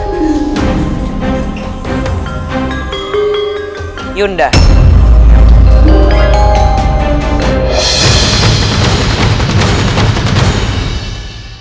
saya mau mencari tabib